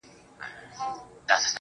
o که هر څو نجوني ږغېږي چي لونګ یم.